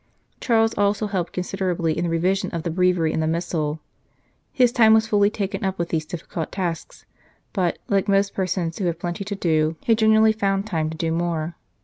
Charles also helped considerably in the revision of the Breviary and the Missal. His time was fully taken up with these difficult tasks, but, like most persons who have plenty to do, he generally St. Charles Borromeo found time to do more.